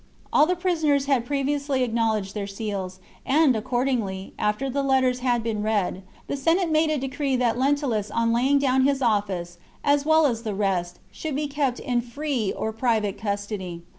All the prisoners had previously acknowledged 40 THE CONSPIRACY OF CATILINE. CHAP, their seals ; and, accordingly, after the letters had been read, the Senate made a decree that Lentulus on laying down his office, as well as the rest, should be kept in " free " or private custody.